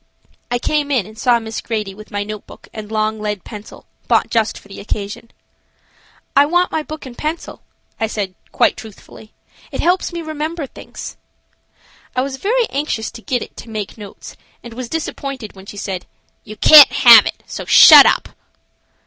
I came in and saw Miss Grady with my note book and long lead pencil, bought just for the occasion. "I want my book and pencil," I said, quite truthfully. "It helps me remember things." I was very anxious to get it to make notes in and was disappointed when she said: "You can't have it, so shut up."